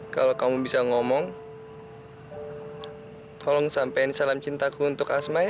kalau kamu bisa ngomong tolong sampein salam cintaku untuk asma ya